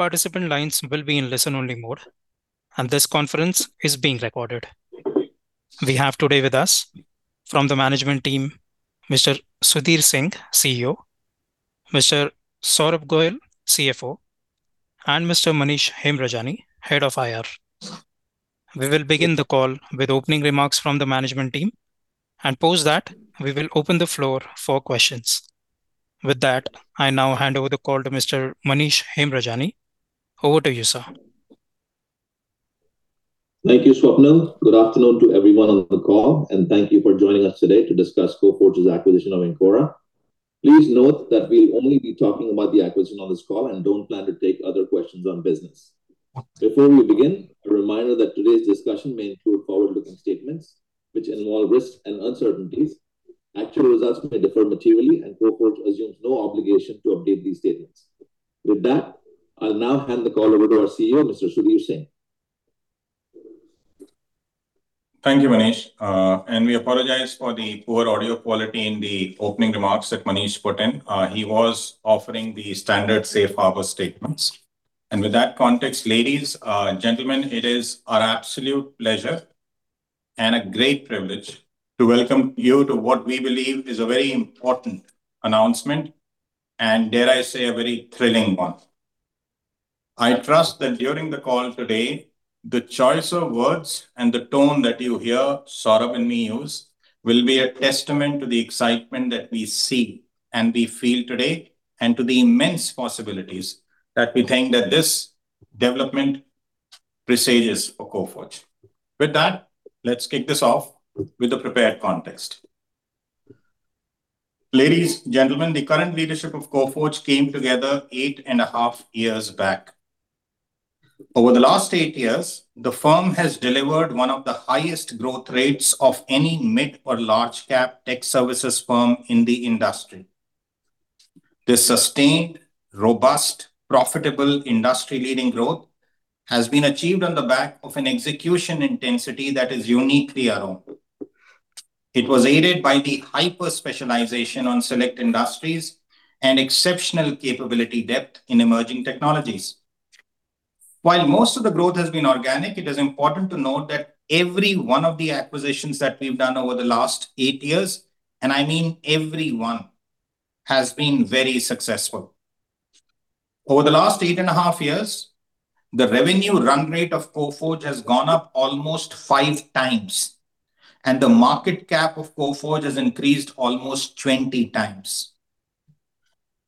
Participant lines will be in listen-only mode, and this conference is being recorded. We have today with us, from the management team, Mr. Sudhir Singh, CEO, Mr. Saurabh Goel, CFO, and Mr. Manish Hemrajani, Head of IR. We will begin the call with opening remarks from the management team, and post that, we will open the floor for questions. With that, I now hand over the call to Mr. Manish Hemrajani. Over to you, Sir. Thank you, Swapnil. Good afternoon to everyone on the call, and thank you for joining us today to discuss Coforge's acquisition of Encora. Please note that we'll only be talking about the acquisition on this call and don't plan to take other questions on business. Before we begin, a reminder that today's discussion may include forward-looking statements, which involve risks and uncertainties. Actual results may differ materially, and Coforge assumes no obligation to update these statements. With that, I'll now hand the call over to our CEO, Mr. Sudhir Singh. Thank you, Manish. And we apologize for the poor audio quality in the opening remarks that Manish put in. He was offering the standard Safe Harbor statements. And with that context, ladies, gentlemen, it is our absolute pleasure and a great privilege to welcome you to what we believe is a very important announcement, and dare I say, a very thrilling one. I trust that during the call today, the choice of words and the tone that you hear, Saurabh and me use, will be a testament to the excitement that we see and we feel today, and to the immense possibilities that we think that this development presages for Coforge. With that, let's kick this off with the prepared context. Ladies, gentlemen, the current leadership of Coforge came together eight and a half years back. Over the last eight years, the firm has delivered one of the highest growth rates of any mid or large-cap tech services firm in the industry. This sustained, robust, profitable industry-leading growth has been achieved on the back of an execution intensity that is uniquely our own. It was aided by the hyper-specialization on select industries and exceptional capability depth in emerging technologies. While most of the growth has been organic, it is important to note that every one of the acquisitions that we've done over the last eight years, and I mean every one, has been very successful. Over the last eight and a half years, the revenue run rate of Coforge has gone up almost five times, and the market cap of Coforge has increased almost 20 times.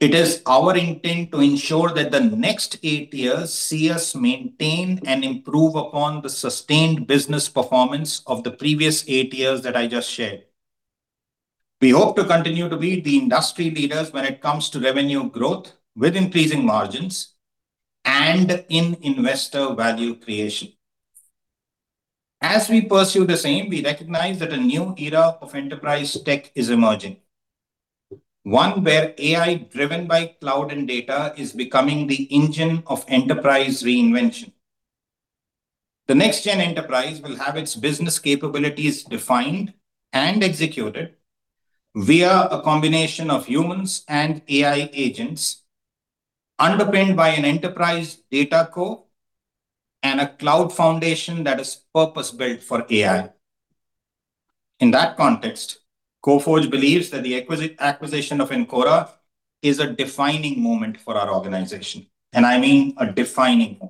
It is our intent to ensure that the next eight years see us maintain and improve upon the sustained business performance of the previous eight years that I just shared. We hope to continue to be the industry leaders when it comes to revenue growth with increasing margins and in investor value creation. As we pursue the same, we recognize that a new era of enterprise tech is emerging, one where AI driven by cloud and data is becoming the engine of enterprise reinvention. The next-gen enterprise will have its business capabilities defined and executed via a combination of humans and AI agents, underpinned by an enterprise data core and a cloud foundation that is purpose-built for AI. In that context, Coforge believes that the acquisition of Encora is a defining moment for our organization, and I mean a defining.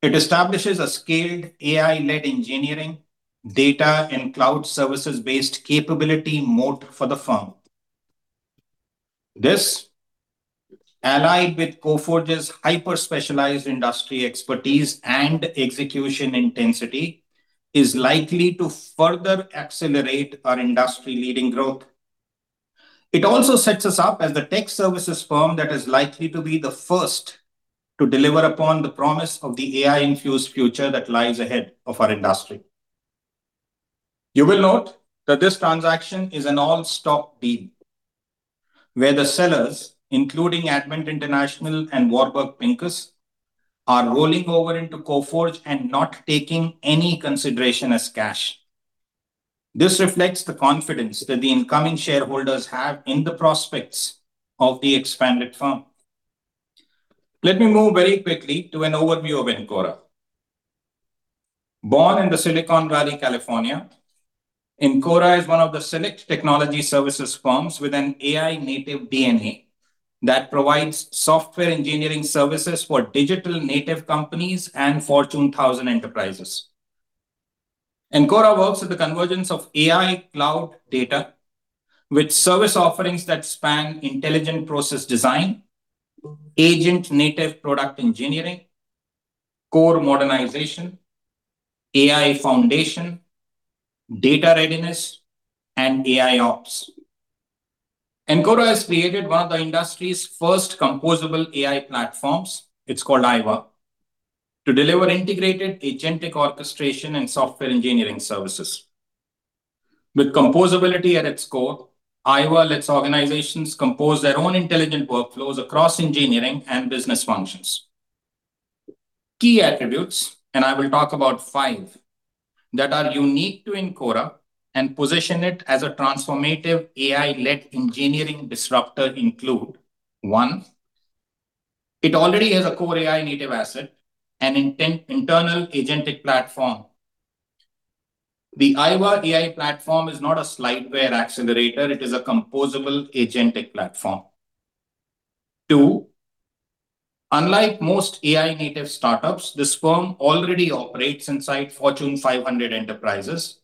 It establishes a scaled AI-led engineering, data, and cloud services-based capability moat for the firm. This, allied with Coforge's hyper-specialized industry expertise and execution intensity, is likely to further accelerate our industry-leading growth. It also sets us up as the tech services firm that is likely to be the first to deliver upon the promise of the AI-infused future that lies ahead of our industry. You will note that this transaction is an all-stock deal, where the sellers, including Advent International and Warburg Pincus, are rolling over into Coforge and not taking any consideration as cash. This reflects the confidence that the incoming shareholders have in the prospects of the expanded firm. Let me move very quickly to an overview of Encora. Born in the Silicon Valley, California, Encora is one of the select technology services firms with an AI-native DNA that provides software engineering services for digital-native companies and Fortune 1000 enterprises. Encora works at the convergence of AI, cloud, data, with service offerings that span intelligent process design, agent-native product engineering, core modernization, AI Foundation, Data Readiness, and AIOps. Encora has created one of the industry's first Composable AI platforms. It's called AIVA, to deliver integrated Agentic Orchestration and software engineering services. With composability at its core, AIVA lets organizations compose their own intelligent workflows across engineering and business functions. Key attributes, and I will talk about five, that are unique to Encora and position it as a transformative AI-led engineering disruptor include: one, it already has a core AI-native asset, an internal agentic platform. The AIVA AI platform is not a slideware accelerator. It is a composable agentic platform. Two, unlike most AI-native startups, this firm already operates inside Fortune 500 enterprises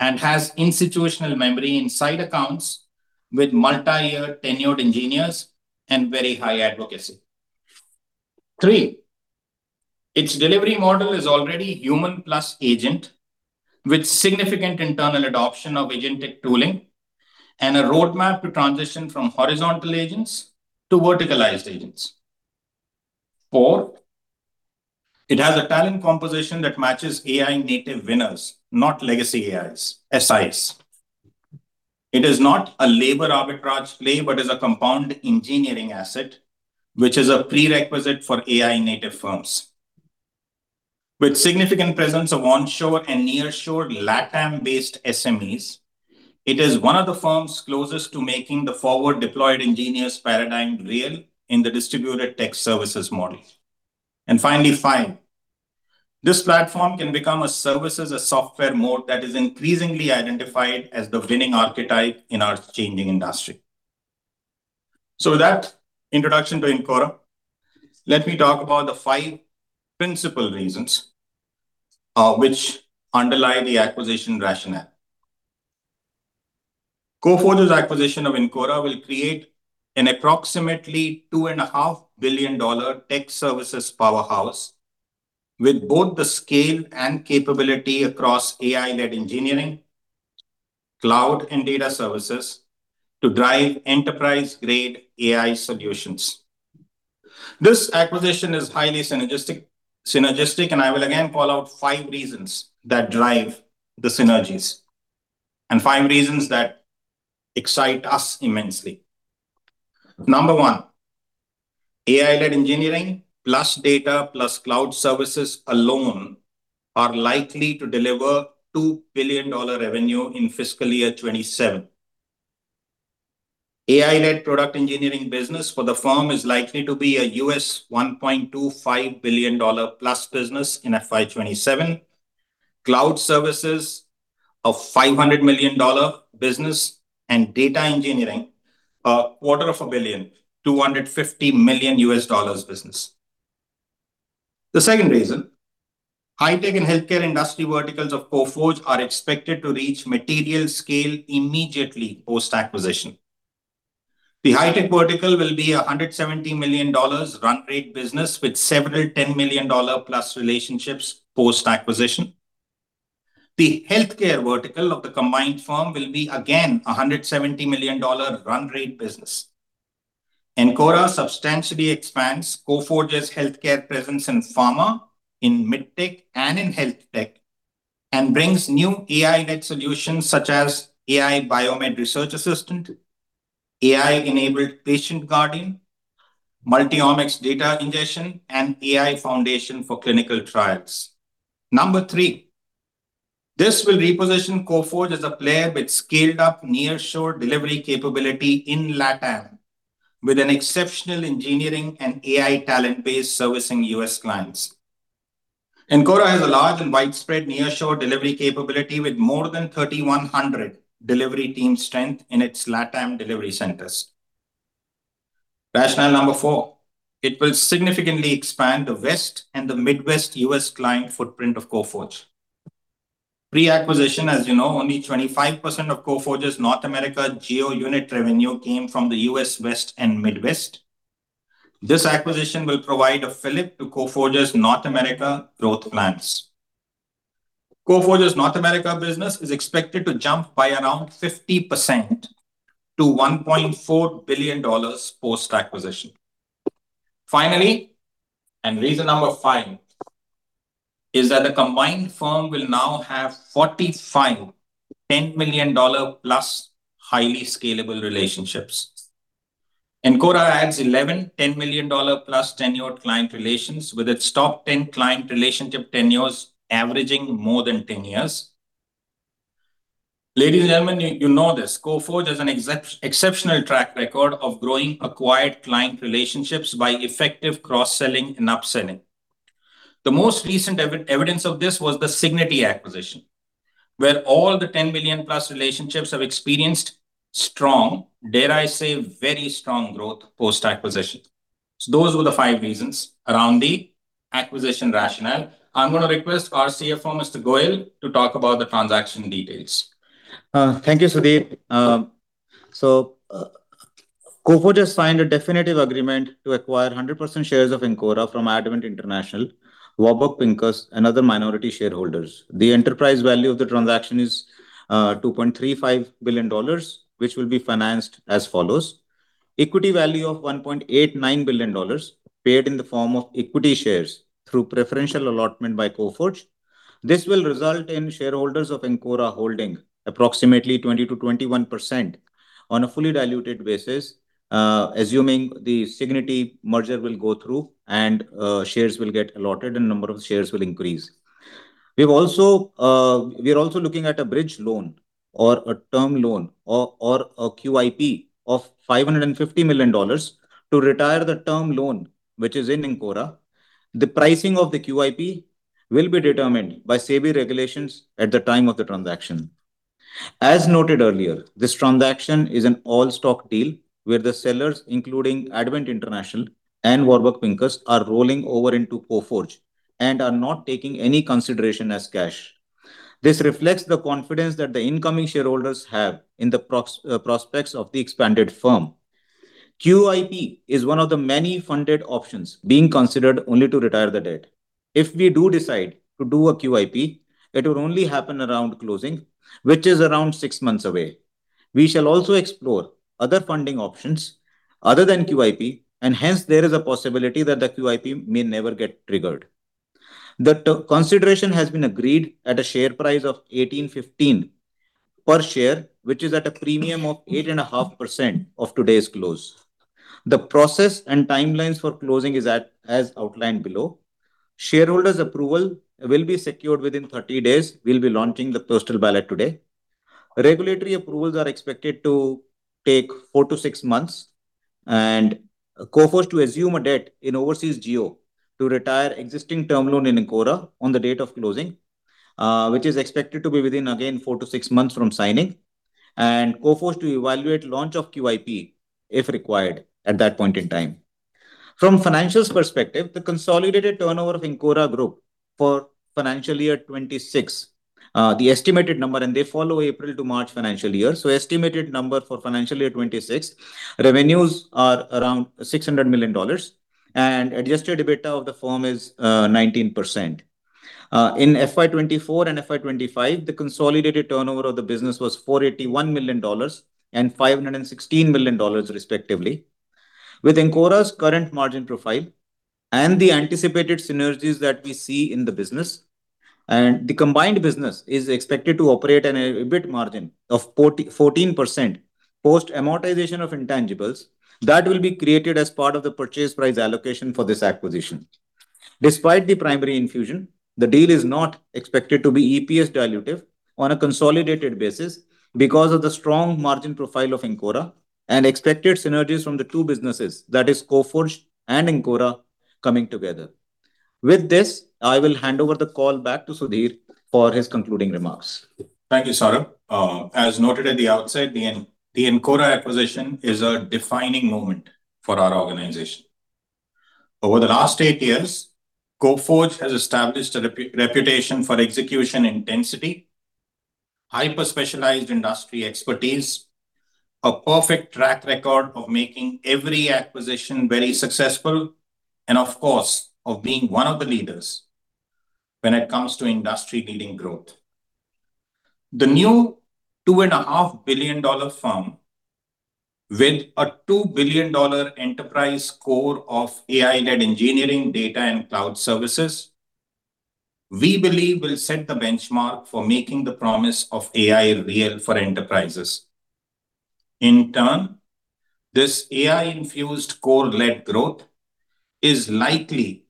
and has institutional memory inside accounts with multi-year tenured engineers and very high advocacy. Three, its delivery model is already human plus agent, with significant internal adoption of agentic tooling and a roadmap to transition from horizontal agents to verticalized agents. Four, it has a talent composition that matches AI-native winners, not legacy AIs, SIs. It is not a labor arbitrage play, but is a compound engineering asset, which is a prerequisite for AI-native firms. With significant presence of onshore and nearshore LATAM-based SMEs, it is one of the firms closest to making the forward-deployed engineers paradigm real in the distributed tech services model. And finally, five, this platform can become a services-as-software mode that is increasingly identified as the winning archetype in our changing industry. With that introduction to Encora, let me talk about the five principal reasons which underlie the acquisition rationale. Coforge's acquisition of Encora will create an approximately $2.5 billion tech services powerhouse with both the scale and capability across AI-led engineering, cloud, and data services to drive enterprise-grade AI solutions. This acquisition is highly synergistic, and I will again call out five reasons that drive the synergies and five reasons that excite us immensely. Number one, AI-led engineering plus data plus cloud services alone are likely to deliver $2 billion revenue in fiscal year 2027. AI-led product engineering business for the firm is likely to be a $1.25 billion plus business in FY 2027, cloud services a $500 million business, and data engineering a quarter of a billion, $250 million business. The second reason, high-tech and healthcare industry verticals of Coforge are expected to reach material scale immediately post-acquisition. The high-tech vertical will be a $170 million run-rate business with several $10 million plus relationships post-acquisition. The healthcare vertical of the combined firm will be again a $170 million run-rate business. Encora substantially expands Coforge's healthcare presence in pharma, in medtech, and in healthtech, and brings new AI-led solutions such as AI Biomed Research Assistant, AI-Enabled Patient Guardian, multi-omics data ingestion, and AI Foundation for clinical trials. Number three, this will reposition Coforge as a player with scaled-up nearshore delivery capability in LATAM, with an exceptional engineering and AI talent base servicing US clients. Encora has a large and widespread nearshore delivery capability with more than 3,100 delivery team strength in its LATAM delivery centers. Rationale number four, it will significantly expand the West and the Midwest U.S. client footprint of Coforge. Pre-acquisition, as you know, only 25% of Coforge's North America geo-unit revenue came from the U.S. West and Midwest. This acquisition will provide a fillip to Coforge's North America growth plans. Coforge's North America business is expected to jump by around 50% to $1.4 billion post-acquisition. Finally, and reason number five is that the combined firm will now have 45, $10 million plus highly scalable relationships. Encora adds 11, $10 million plus tenured client relations with its top 10 client relationship tenures averaging more than 10 years. Ladies and gentlemen, you know this. Coforge has an exceptional track record of growing acquired client relationships by effective cross-selling and upselling. The most recent evidence of this was the Cigniti acquisition, where all the $10 million plus relationships have experienced strong, dare I say, very strong growth post-acquisition. So those were the five reasons around the acquisition rationale. I'm going to request our CFO, Mr. Goel, to talk about the transaction details. Thank you, Sudhir. So Coforge has signed a definitive agreement to acquire 100% shares of Encora from Advent International, Warburg Pincus, and other minority shareholders. The enterprise value of the transaction is $2.35 billion, which will be financed as follows. Equity value of $1.89 billion paid in the form of equity shares through preferential allotment by Coforge. This will result in shareholders of Encora holding approximately 20%-21% on a fully diluted basis, assuming the Cigniti merger will go through and shares will get allotted and number of shares will increase. We are also looking at a bridge loan or a term loan or a QIP of $550 million to retire the term loan, which is in Encora. The pricing of the QIP will be determined by SEBI regulations at the time of the transaction. As noted earlier, this transaction is an all-stock deal where the sellers, including Advent International and Warburg Pincus, are rolling over into Coforge and are not taking any consideration as cash. This reflects the confidence that the incoming shareholders have in the prospects of the expanded firm. QIP is one of the many funded options being considered only to retire the debt. If we do decide to do a QIP, it will only happen around closing, which is around six months away. We shall also explore other funding options other than QIP, and hence there is a possibility that the QIP may never get triggered. The consideration has been agreed at a share price of $18.15 per share, which is at a premium of 8.5% of today's close. The process and timelines for closing is as outlined below. Shareholders' approval will be secured within 30 days. We'll be launching the postal ballot today. Regulatory approvals are expected to take four to six months, and Coforge to assume a debt in overseas geo to retire existing term loan in Encora on the date of closing, which is expected to be within, again, four to six months from signing, and Coforge to evaluate launch of QIP if required at that point in time. From a financial perspective, the consolidated turnover of Encora Group for financial year 2026, the estimated number, and they follow April to March financial year. So estimated number for financial year 2026, revenues are around $600 million, and Adjusted EBITDA of the firm is 19%. In FY 2024 and FY 2025, the consolidated turnover of the business was $481 million and $516 million, respectively. With Encora's current margin profile and the anticipated synergies that we see in the business, the combined business is expected to operate at an EBIT margin of 14% post-amortization of intangibles that will be created as part of the purchase price allocation for this acquisition. Despite the primary infusion, the deal is not expected to be EPS dilutive on a consolidated basis because of the strong margin profile of Encora and expected synergies from the two businesses, that is Coforge and Encora coming together. With this, I will hand over the call back to Sudhir for his concluding remarks. Thank you, Saurabh. As noted at the outset, the Encora acquisition is a defining moment for our organization. Over the last eight years, Coforge has established a reputation for execution intensity, hyper-specialized industry expertise, a perfect track record of making every acquisition very successful, and of course, of being one of the leaders when it comes to industry-leading growth. The new $2.5 billion firm with a $2 billion enterprise core of AI-led engineering, data, and cloud services, we believe will set the benchmark for making the promise of AI real for enterprises. In turn, this AI-infused core-led growth is likely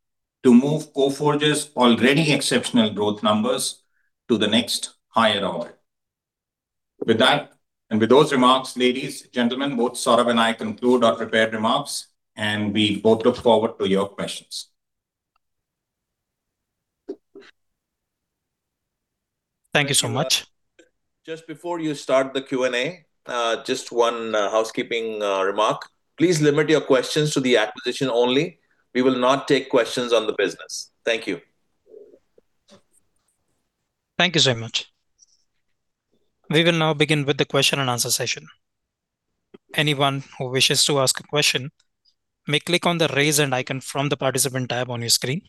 to move Coforge's already exceptional growth numbers to the next higher order. With that, and with those remarks, ladies and gentlemen, both Saurabh and I conclude our prepared remarks, and we both look forward to your questions. Thank you so much. Just before you start the Q&A, just one housekeeping remark. Please limit your questions to the acquisition only. We will not take questions on the business. Thank you. Thank you so much. We will now begin with the question and answer session. Anyone who wishes to ask a question may click on the raise hand icon from the participant tab on your screen.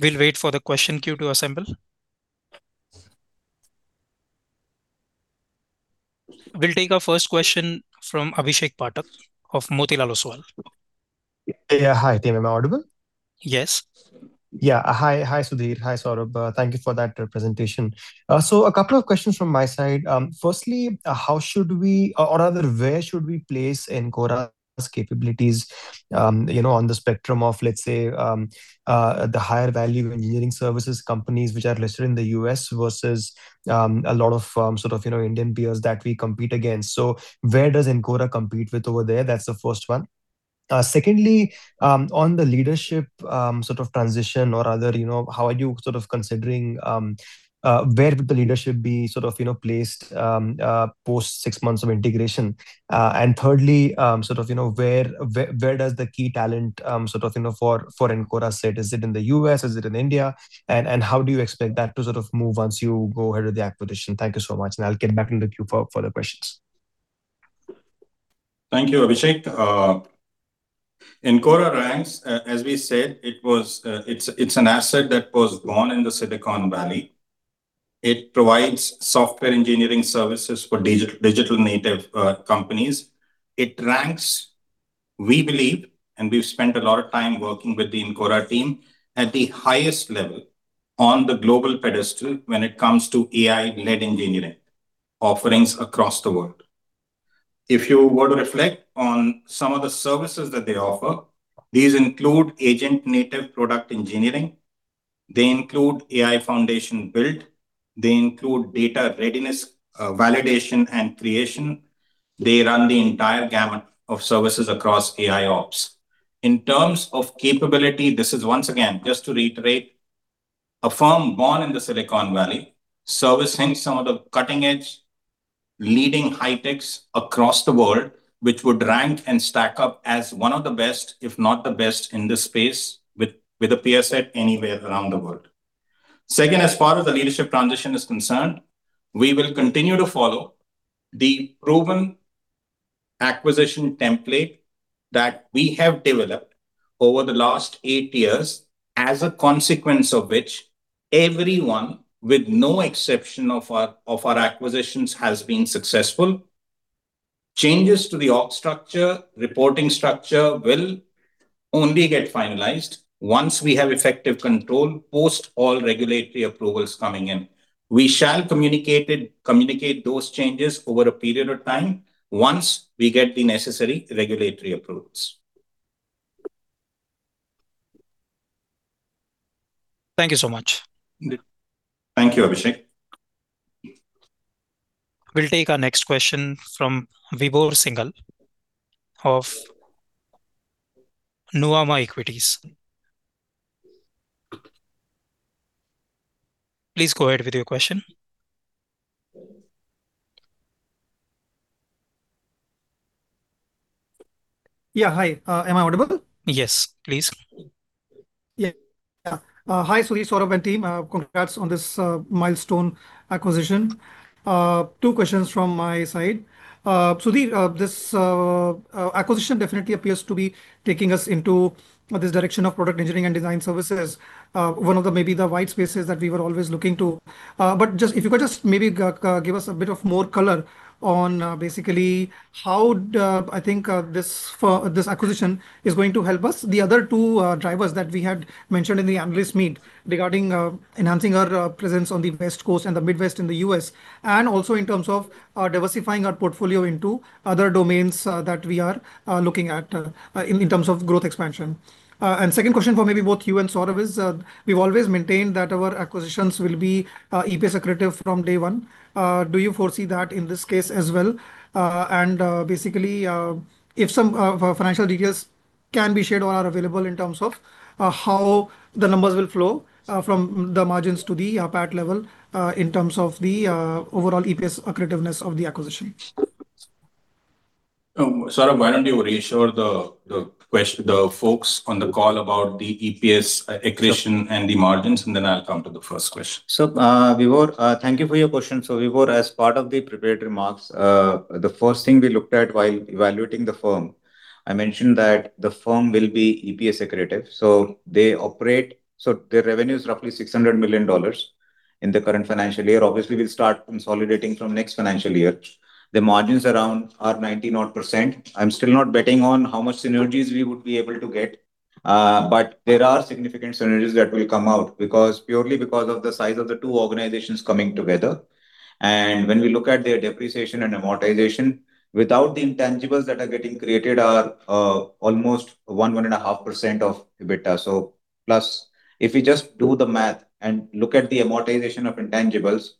We'll wait for the question queue to assemble. We'll take our first question from Abhishek Patil of Motilal Oswal. Yeah, hi. Can you hear me audible? Yes. Yeah. Hi, Sudhir. Hi, Saurabh. Thank you for that presentation. So a couple of questions from my side. Firstly, how should we, or rather, where should we place Encora's capabilities on the spectrum of, let's say, the higher value engineering services companies which are listed in the U.S. versus a lot of sort of Indian peers that we compete against? So where does Encora compete with over there? That's the first one. Secondly, on the leadership sort of transition or other, how are you sort of considering where would the leadership be sort of placed post six months of integration? And thirdly, sort of where does the key talent sort of for Encora sit? Is it in the U.S.? Is it in India? And how do you expect that to sort of move once you go ahead with the acquisition? Thank you so much. I'll get back into the queue for further questions. Thank you, Abhishek. Encora ranks, as we said, it's an asset that was born in the Silicon Valley. It provides software engineering services for digital native companies. It ranks, we believe, and we've spent a lot of time working with the Encora team at the highest level on the global pedestal when it comes to AI-led engineering offerings across the world. If you were to reflect on some of the services that they offer, these include agent-native product engineering. They include AI foundation build. They include data readiness validation and creation. They run the entire gamut of services across AI Ops. In terms of capability, this is once again, just to reiterate, a firm born in the Silicon Valley services some of the cutting-edge leading high-techs across the world, which would rank and stack up as one of the best, if not the best, in this space with a peer set anywhere around the world. Second, as far as the leadership transition is concerned, we will continue to follow the proven acquisition template that we have developed over the last eight years, as a consequence of which everyone, with no exception of our acquisitions, has been successful. Changes to the ops structure, reporting structure will only get finalized once we have effective control post all regulatory approvals coming in. We shall communicate those changes over a period of time once we get the necessary regulatory approvals. Thank you so much. Thank you, Abhishek. We'll take our next question from Vibhor Singhal of Nuvama Equities. Please go ahead with your question. Yeah, hi. Am I audible? Yes, please. Yeah. Hi, Sudhir, Saurabh, and team. Congrats on this milestone acquisition. Two questions from my side. Sudhir, this acquisition definitely appears to be taking us into this direction of product engineering and design services, one of the maybe the white spaces that we were always looking to. But just if you could just maybe give us a bit of more color on basically how I think this acquisition is going to help us. The other two drivers that we had mentioned in the analyst meet regarding enhancing our presence on the West Coast and the Midwest in the U.S., and also in terms of diversifying our portfolio into other domains that we are looking at in terms of growth expansion. And second question for maybe both you and Saurabh is we've always maintained that our acquisitions will be EPS accretive from day one. Do you foresee that in this case as well? And basically, if some financial details can be shared or are available in terms of how the numbers will flow from the margins to the PAT level in terms of the overall EPS accretiveness of the acquisition? Saurabh, why don't you reassure the folks on the call about the EPS accretion and the margins, and then I'll come to the first question. Vibhor, thank you for your question. Vibhor, as part of the prepared remarks, the first thing we looked at while evaluating the firm, I mentioned that the firm will be EPS accretive. They operate, so their revenue is roughly $600 million in the current financial year. Obviously, we'll start consolidating from next financial year. The margins around are 90%. I'm still not betting on how much synergies we would be able to get, but there are significant synergies that will come out purely because of the size of the two organizations coming together. When we look at their depreciation and amortization, without the intangibles that are getting created, are almost 1.5% of EBITDA. So plus, if we just do the math and look at the amortization of intangibles,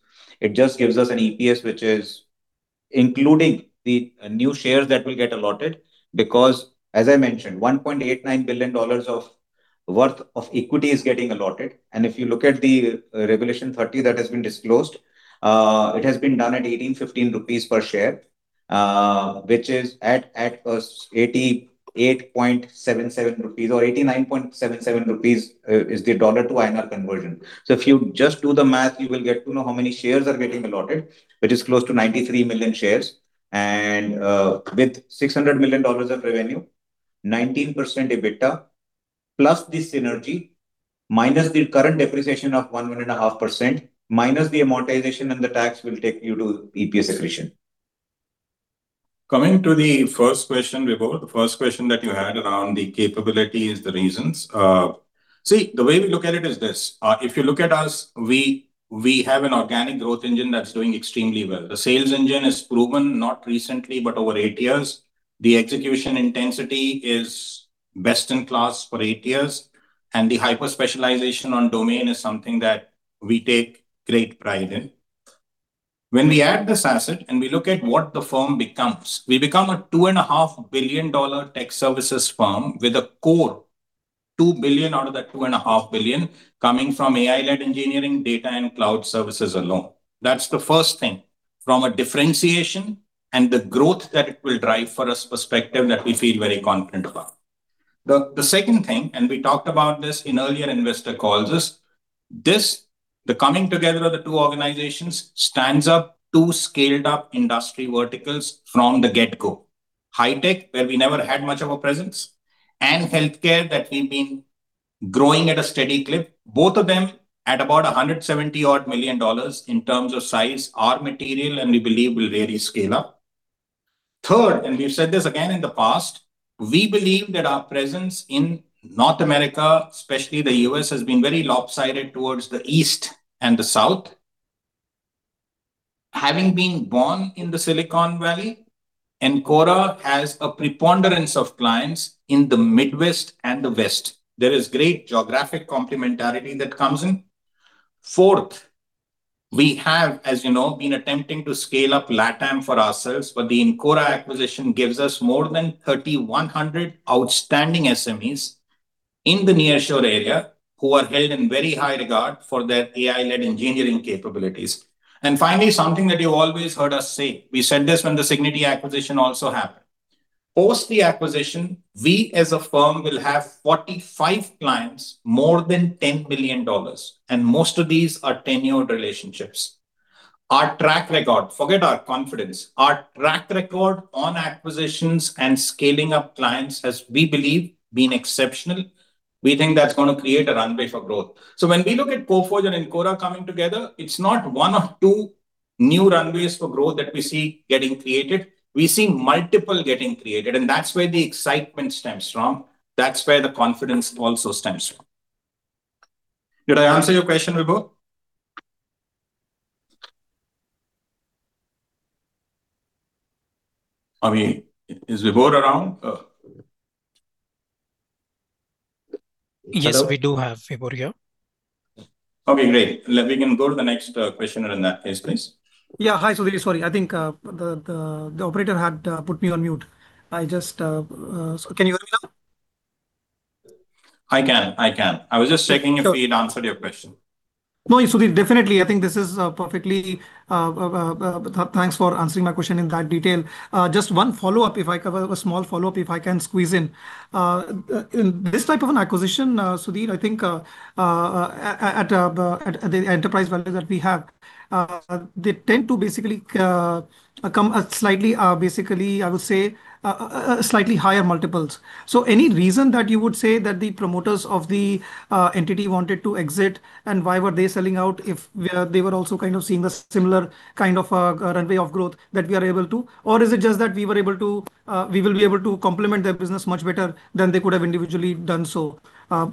it just gives us an EPS, which is including the new shares that will get allotted because, as I mentioned, $1.89 billion worth of equity is getting allotted. And if you look at the Regulation 30 that has been disclosed, it has been done at 18 rupees, INR 15 per share, which is at 88.77 rupees or 89.77 rupees. [This] is the dollar-to-INR conversion. So if you just do the math, you will get to know how many shares are getting allotted, which is close to 93 million shares. And with $600 million of revenue, 19% EBITDA plus the synergy minus the current depreciation of 1.5% minus the amortization and the tax will take you to EPS accretion. Coming to the first question, Vibhor, the first question that you had around the capabilities, the reasons. See, the way we look at it is this. If you look at us, we have an organic growth engine that's doing extremely well. The sales engine has proven, not recently, but over eight years. The execution intensity is best in class for eight years, and the hyper-specialization on domain is something that we take great pride in. When we add this asset and we look at what the firm becomes, we become a $2.5 billion tech services firm with a core, $2 billion out of that $2.5 billion coming from AI-led engineering, data, and cloud services alone. That's the first thing from a differentiation and the growth that it will drive for us perspective that we feel very confident about. The second thing, and we talked about this in earlier investor calls, is this, the coming together of the two organizations stands up two scaled-up industry verticals from the get-go. High-tech, where we never had much of a presence, and healthcare that we've been growing at a steady clip, both of them at about $170 million in terms of size, are material and we believe will really scale up. Third, and we've said this again in the past, we believe that our presence in North America, especially the U.S., has been very lopsided towards the east and the south. Having been born in the Silicon Valley, Encora has a preponderance of clients in the Midwest and the West. There is great geographic complementarity that comes in. Fourth, we have, as you know, been attempting to scale up LATAM for ourselves, but the Encora acquisition gives us more than 3,100 outstanding SMEs in the nearshore area who are held in very high regard for their AI-led engineering capabilities. And finally, something that you've always heard us say, we said this when the Cigniti acquisition also happened. Post the acquisition, we as a firm will have 45 clients more than $10 million, and most of these are tenured relationships. Our track record, forget our confidence, our track record on acquisitions and scaling up clients has we believe been exceptional. We think that's going to create a runway for growth. So when we look at Coforge and Encora coming together, it's not one or two new runways for growth that we see getting created. We see multiple getting created, and that's where the excitement stems from. That's where the confidence also stems from. Did I answer your question, Vibhor? Is Vibhor around? Yes, we do have Vibhor here. Okay, great. We can go to the next question in that case, please. Yeah, hi, Sudhir. Sorry, I think the operator had put me on mute. Can you hear me now? I can. I was just checking if we'd answered your question. No, Sudhir, definitely. I think this is perfectly thanks for answering my question in that detail. Just one follow-up, if I can have a small follow-up, if I can squeeze in. In this type of an acquisition, Sudhir, I think at the enterprise value that we have, they tend to basically come slightly, basically, I would say, slightly higher multiples. So any reason that you would say that the promoters of the entity wanted to exit and why were they selling out if they were also kind of seeing the similar kind of runway of growth that we are able to? Or is it just that we were able to, we will be able to complement their business much better than they could have individually done so?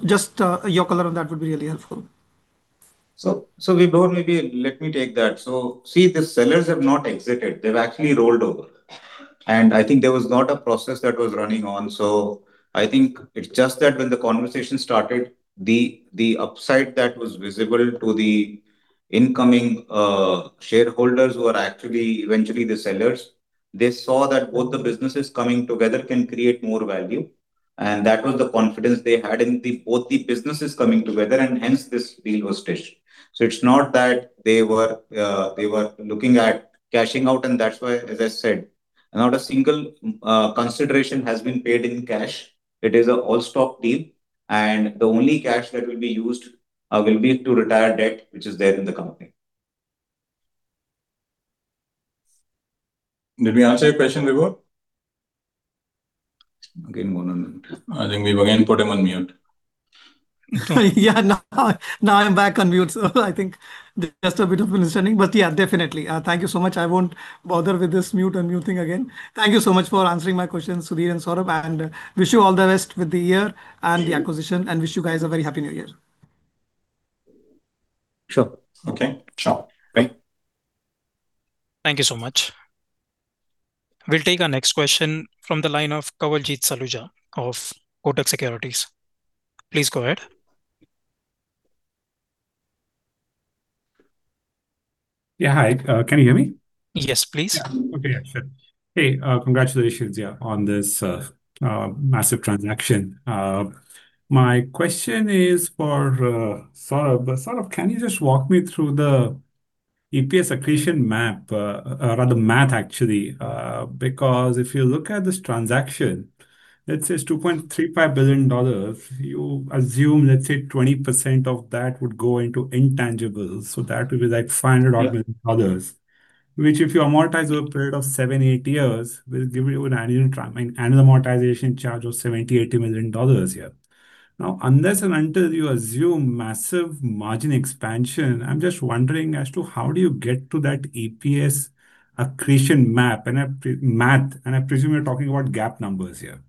Just your color on that would be really helpful. So Vibhor, maybe let me take that. So see, the sellers have not exited. They've actually rolled over. I think there was not a process that was running on. So I think it's just that when the conversation started, the upside that was visible to the incoming shareholders who are actually eventually the sellers, they saw that both the businesses coming together can create more value. That was the confidence they had in both the businesses coming together, and hence this deal was issued. So it's not that they were looking at cashing out, and that's why, as I said, not a single consideration has been paid in cash. It is an all-stock deal, and the only cash that will be used will be to retire debt, which is there in the company. Did we answer your question, Vibhor? Again, one on mute. I think we've again put him on mute. Yeah, now I'm back on mute, so I think just a bit of understanding, but yeah, definitely. Thank you so much. I won't bother with this mute and mute thing again. Thank you so much for answering my question, Sudhir and Saurabh, and wish you all the best with the year and the acquisition, and wish you guys a very happy New Year. Sure. Okay. Sure. Great. Thank you so much. We'll take our next question from the line of Kawaljeet Saluja of Kotak Securities. Please go ahead. Yeah, hi. Can you hear me? Yes, please. Okay, yeah, sure. Hey, congratulations on this massive transaction. My question is for Saurabh. Saurabh, can you just walk me through the EPS accretion map, rather math, actually? Because if you look at this transaction, let's say it's $2.35 billion, you assume, let's say, 20% of that would go into intangibles. So that would be like $500 million, which if you amortize over a period of seven, eight years, will give you an annual amortization charge of $70 million -$80 million here. Now, unless and until you assume massive margin expansion, I'm just wondering as to how do you get to that EPS accretion map and math, and I presume you're talking about GAAP numbers here.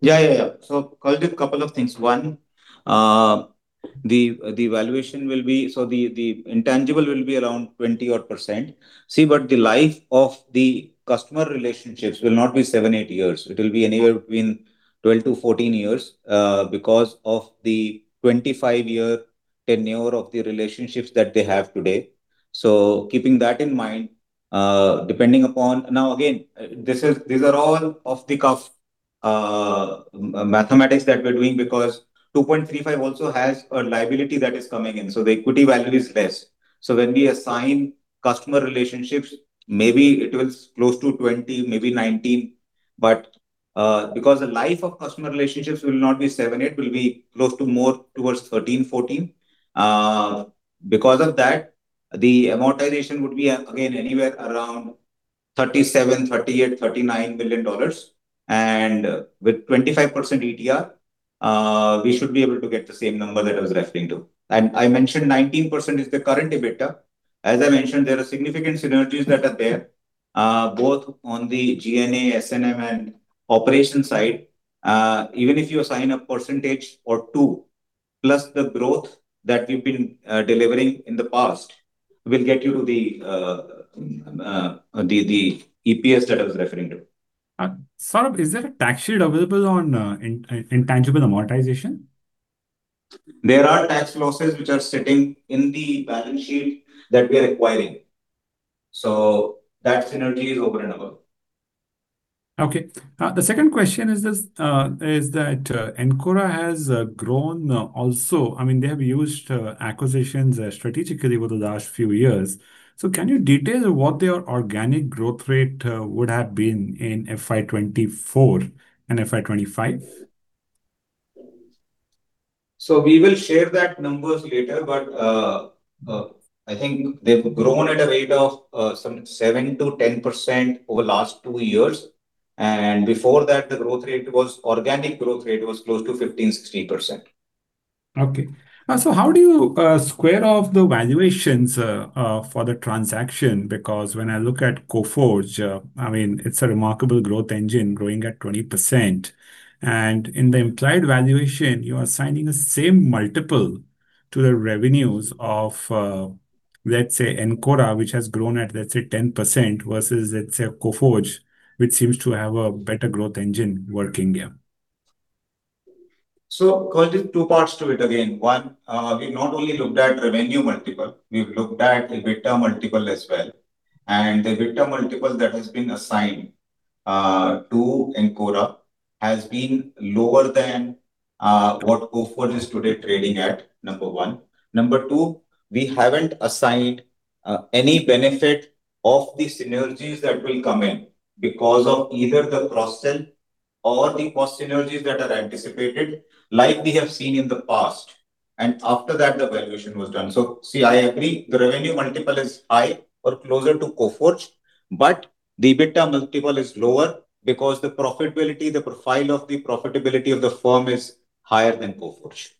Yeah, yeah, yeah. So I'll give a couple of things. One, the valuation will be, so the intangible will be around 20%. See, but the life of the customer relationships will not be seven, eight years. It will be anywhere between 12-14 years because of the 25-year tenure of the relationships that they have today. So keeping that in mind, depending upon, now again, these are all off the cuff mathematics that we're doing because 2.35 also has a liability that is coming in. So the equity value is less. So when we assign customer relationships, maybe it will close to 20, maybe 19, but because the life of customer relationships will not be seven, eight, it will be close to more towards 13, 14. Because of that, the amortization would be again anywhere around $37 million-$39 million. With 25% ETR, we should be able to get the same number that I was referring to. I mentioned 19% is the current EBITDA. As I mentioned, there are significant synergies that are there, both on the G&A, S&M, and operation side. Even if you assign a percentage or two plus the growth that we've been delivering in the past, we'll get you to the EPS that I was referring to. Saurabh, is there a tax shield available on intangible amortization? There are tax losses which are sitting in the balance sheet that we are acquiring. So that synergy is over and above. Okay. The second question is that Encora has grown also. I mean, they have used acquisitions strategically over the last few years. So can you detail what their organic growth rate would have been in FY 2024 and FY 2025? We will share those numbers later, but I think they've grown at a rate of 7%-10% over the last two years. Before that, the growth rate was, organic growth rate was close to 15%-16%. Okay. So how do you square off the valuations for the transaction? Because when I look at Coforge, I mean, it's a remarkable growth engine growing at 20%. And in the implied valuation, you are assigning the same multiple to the revenues of, let's say, Encora, which has grown at, let's say, 10% versus, let's say, Coforge, which seems to have a better growth engine working here. So there's two parts to it again. One, we not only looked at revenue multiple. We've looked at EBITDA multiple as well. The EBITDA multiple that has been assigned to Encora has been lower than what Coforge is today trading at, number one. Number two, we haven't assigned any benefit of the synergies that will come in because of either the cross-sell or the cost synergies that are anticipated, like we have seen in the past. And after that, the valuation was done. So see, I agree. The revenue multiple is high or closer to Coforge, but the EBITDA multiple is lower because the profitability, the profile of the profitability of the firm is higher than Coforge.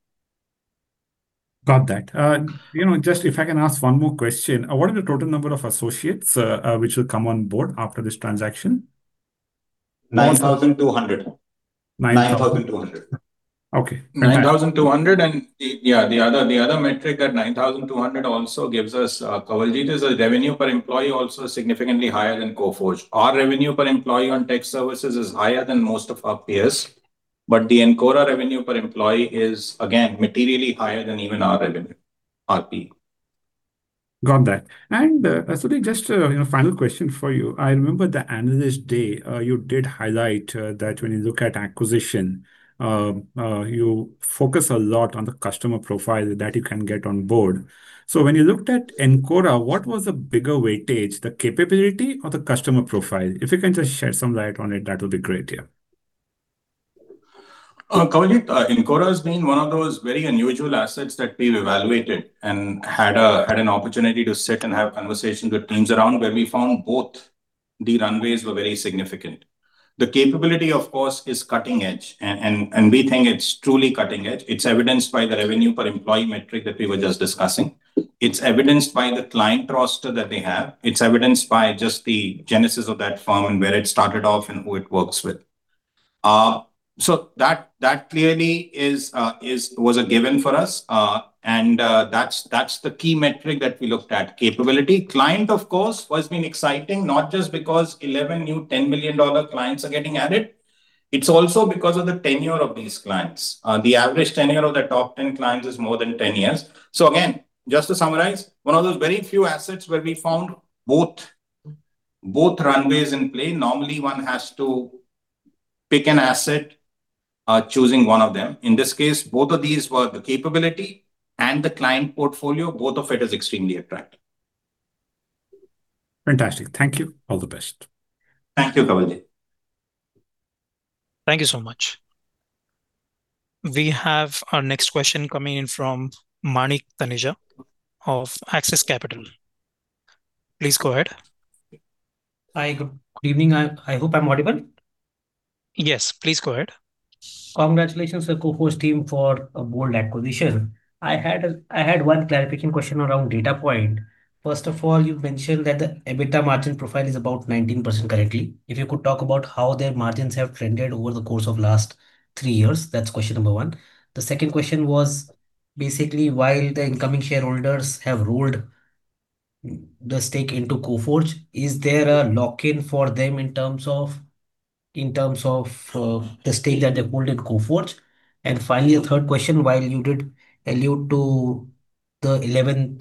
Got that. Just if I can ask one more question, what are the total number of associates which will come on board after this transaction? 9,200. 9,200. Okay. 9,200. Yeah, the other metric at 9,200 also gives us, Kawaljeet, is a revenue per employee also significantly higher than Coforge. Our revenue per employee on tech services is higher than most of our peers. But the Encora revenue per employee is, again, materially higher than even our revenue, RP. Got that. And Sudhir, just a final question for you. I remember the Analyst Day, you did highlight that when you look at acquisition, you focus a lot on the customer profile that you can get on board. So when you looked at Encora, what was the bigger weightage, the capability or the customer profile? If you can just shed some light on it, that would be great here. Kawaljeet, Encora has been one of those very unusual assets that we've evaluated and had an opportunity to sit and have conversations with teams around where we found both the runways were very significant. The capability, of course, is cutting edge, and we think it's truly cutting edge. It's evidenced by the revenue per employee metric that we were just discussing. It's evidenced by the client roster that they have. It's evidenced by just the genesis of that firm and where it started off and who it works with. So that clearly was a given for us. And that's the key metric that we looked at. Capability, client, of course, has been exciting, not just because 11 new $10 million clients are getting added. It's also because of the tenure of these clients. The average tenure of the top 10 clients is more than 10 years. So again, just to summarize, one of those very few assets where we found both runways in play. Normally, one has to pick an asset, choosing one of them. In this case, both of these were the capability and the client portfolio. Both of it is extremely attractive. Fantastic. Thank you. All the best. Thank you, Kawaljeet. Thank you so much. We have our next question coming in from Manik Teneja of Axis Capital. Please go ahead. Hi, good evening. I hope I'm audible. Yes, please go ahead. Congratulations to the Coforge team for a Bold acquisition. I had one clarification question around data point. First of all, you mentioned that the EBITDA margin profile is about 19% currently. If you could talk about how their margins have trended over the course of last three years, that's question number one. The second question was basically while the incoming shareholders have rolled the stake into Coforge, is there a lock-in for them in terms of the stake that they hold in Coforge? And finally, the third question, while you did allude to the 11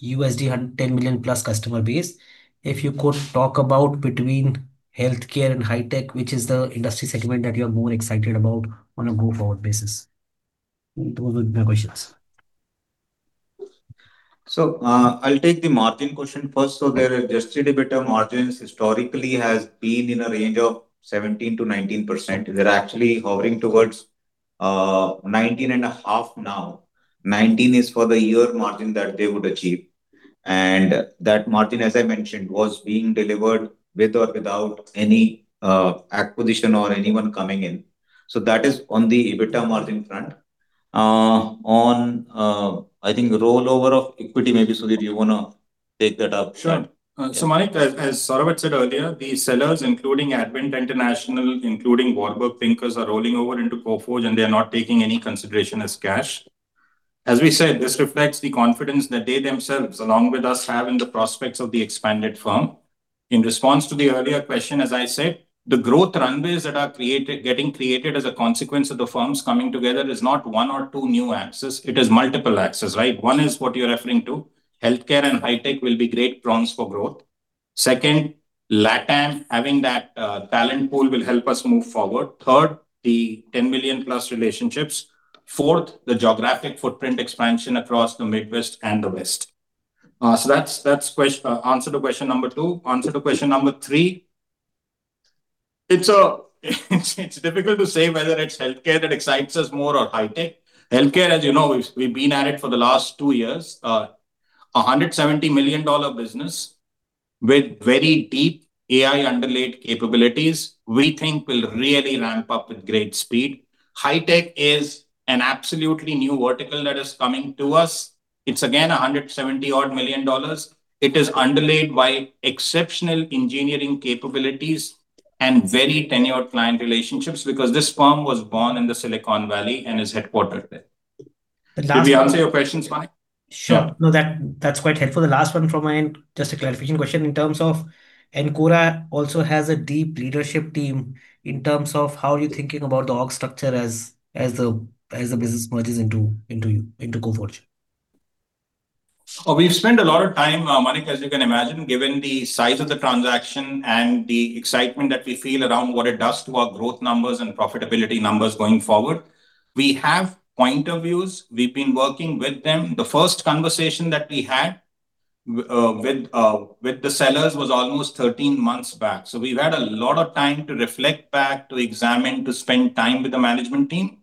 $10 million plus customer base, if you could talk about between healthcare and high-tech, which is the industry segment that you are more excited about on a go-forward basis. Those would be my questions. I'll take the margin question first. Their Adjusted EBITDA margins historically have been in a range of 17%-19%. They're actually hovering towards 19.5% now. 19% is for the year margin that they would achieve. And that margin, as I mentioned, was being delivered with or without any acquisition or anyone coming in. That is on the EBITDA margin front. On, I think, rollover of equity, maybe Sudhir, you want to take that up. Sure. So Manik, as Saurabh had said earlier, the sellers, including Advent International, including Warburg Pincus, are rolling over into Coforge, and they are not taking any consideration as cash. As we said, this reflects the confidence that they themselves, along with us, have in the prospects of the expanded firm. In response to the earlier question, as I said, the growth runways that are getting created as a consequence of the firms coming together is not one or two new axes. It is multiple axes, right? One is what you're referring to. Healthcare and high-tech will be great prongs for growth. Second, LATAM, having that talent pool will help us move forward. Third, the 10 million plus relationships. Fourth, the geographic footprint expansion across the Midwest and the West. So that's answer to question number two. Answer to question number three. It's difficult to say whether it's healthcare that excites us more or high-tech. Healthcare, as you know, we've been at it for the last two years. $170 million business with very deep AI-underlaid capabilities, we think will really ramp up with great speed. High-tech is an absolutely new vertical that is coming to us. It's again $170 million. It is underlaid by exceptional engineering capabilities and very tenured client relationships because this firm was born in the Silicon Valley and is headquartered there. Did we answer your questions, Manik? Sure. No, that's quite helpful. The last one from my end, just a clarification question in terms of Encora also has a deep leadership team in terms of how are you thinking about the org structure as the business merges into Coforge? We've spent a lot of time, Manik, as you can imagine, given the size of the transaction and the excitement that we feel around what it does to our growth numbers and profitability numbers going forward. We have point of views. We've been working with them. The first conversation that we had with the sellers was almost 13 months back. So we've had a lot of time to reflect back, to examine, to spend time with the management team.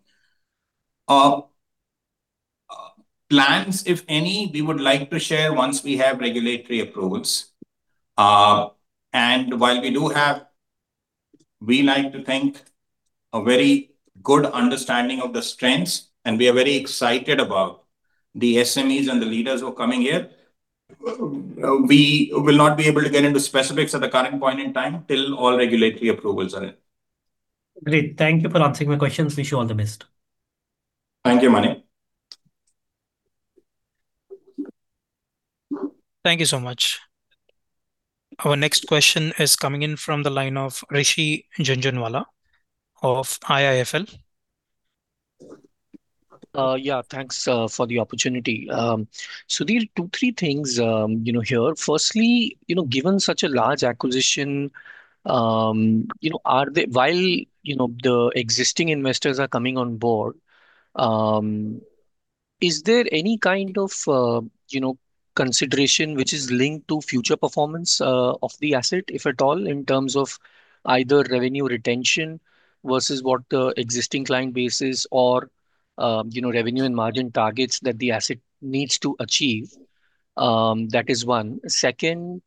Plans, if any, we would like to share once we have regulatory approvals, and while we do have, we like to think, a very good understanding of the strengths, and we are very excited about the SMEs and the leaders who are coming here. We will not be able to get into specifics at the current point in time till all regulatory approvals are in. Great. Thank you for answering my questions. Wish you all the best. Thank you, Manik. Thank you so much. Our next question is coming in from the line of Rishi Jhunjhunwala of IIFL. Yeah, thanks for the opportunity. Sudhir, two, three things here. Firstly, given such a large acquisition, while the existing investors are coming on board, is there any kind of consideration which is linked to future performance of the asset, if at all, in terms of either revenue retention versus what the existing client base is or revenue and margin targets that the asset needs to achieve? That is one. Second,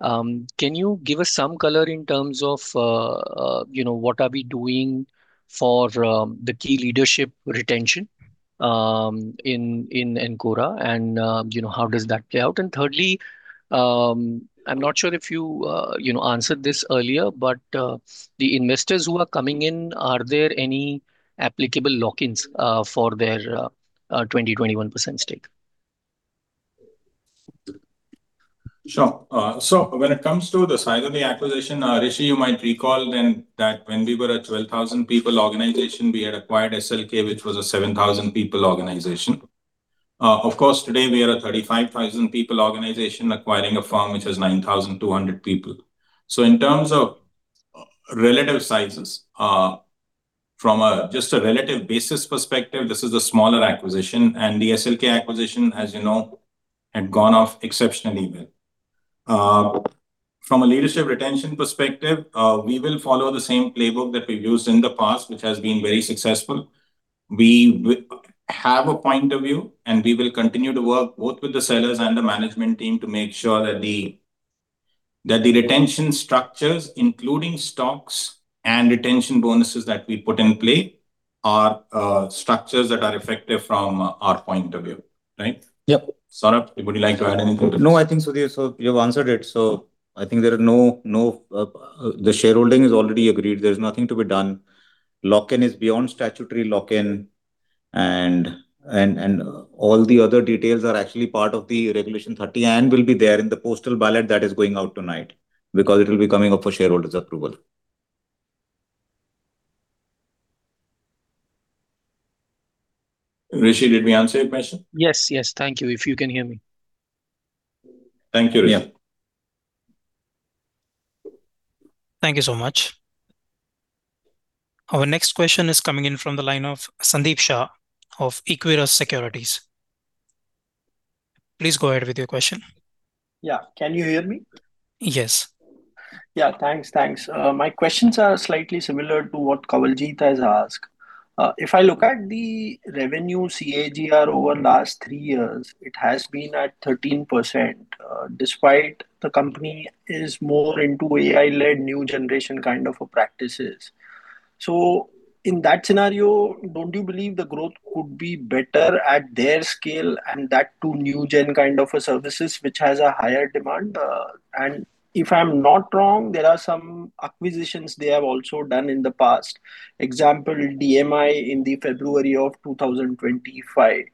can you give us some color in terms of what are we doing for the key leadership retention in Encora and how does that play out? And thirdly, I'm not sure if you answered this earlier, but the investors who are coming in, are there any applicable lock-ins for their 20%-21% stake? Sure. So when it comes to the size of the acquisition, Rishi, you might recall then that when we were a 12,000-people organization, we had acquired SLK, which was a 7,000-people organization. Of course, today, we are a 35,000-people organization acquiring a firm which has 9,200-people. So in terms of relative sizes, from just a relative basis perspective, this is a smaller acquisition. And the SLK acquisition, as you know, had gone off exceptionally well. From a leadership retention perspective, we will follow the same playbook that we've used in the past, which has been very successful. We have a point of view, and we will continue to work both with the sellers and the management team to make sure that the retention structures, including stocks and retention bonuses that we put in play, are structures that are effective from our point of view, right? Yep. Saurabh, would you like to add anything to that? No, I think, Sudhir, you've answered it. So I think there is no shareholding is already agreed. There's nothing to be done. Lock-in is beyond statutory lock-in. And all the other details are actually part of the Regulation 30 and will be there in the postal ballot that is going out tonight because it will be coming up for shareholders' approval. Rishi, did we answer your question? Yes, yes. Thank you if you can hear me. Thank you, Rishi. Yeah. Thank you so much. Our next question is coming in from the line of Sandeep Shah of Equirus Securities. Please go ahead with your question. Yeah. Can you hear me? Yes. Yeah. Thanks, thanks. My questions are slightly similar to what Kawaljeet has asked. If I look at the revenue CAGR over the last three years, it has been at 13% despite the company is more into AI-led new generation kind of practices. So in that scenario, don't you believe the growth could be better at their scale and that too new gen kind of services which has a higher demand? And if I'm not wrong, there are some acquisitions they have also done in the past, example, DMI in February of 2025.